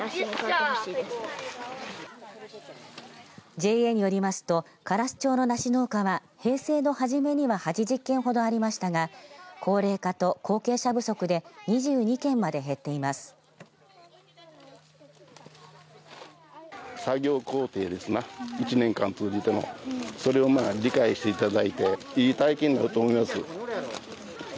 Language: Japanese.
ＪＡによりますと香良洲町の梨農家は平成のはじめには８０軒ほどありましたが高齢化と後継者不足で２２軒まで減っています。